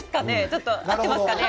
ちょっと合ってますかね？